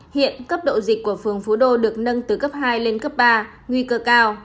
hiện cấp độ dịch của phường phú đô được nâng từ cấp hai lên cấp ba nguy cơ cao